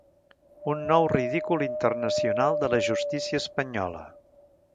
Un nou ridícul internacional de la justícia espanyola.